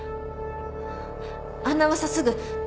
あんな噂すぐ。